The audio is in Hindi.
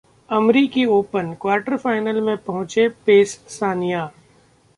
अमेरिकी ओपन: क्वार्टरफाइनल में पहुंचे पेस, सानिया